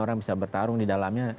orang bisa bertarung di dalamnya